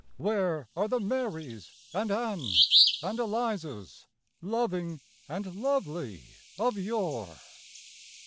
Where are the Marys, and Anns, and Elizas, Loving and lovely of yore?